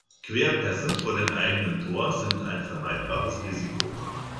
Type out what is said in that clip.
Querpässe vor dem eigenen Tor sind ein vermeidbares Risiko.